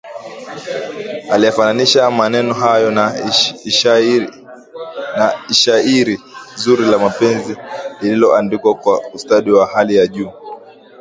Aliyafananisha maneno hayo na shairi zuri la mapenzi lililoandikwa kwa ustadi wa hali ya juu